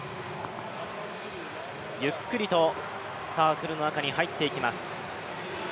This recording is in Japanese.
ゆっくりとサークルの中に入っていきます。